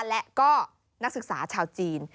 และก็นักศึกษาชาวจีน